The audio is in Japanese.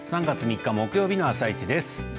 ３月３日木曜日の「あさイチ」です。